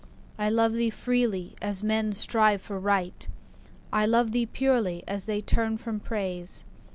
I love thee freely, as men strive for Right; I love thee purely, as they turn from Praise.